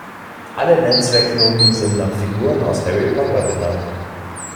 Alle Netzwerkknoten sind nach Figuren aus Harry Potter benannt.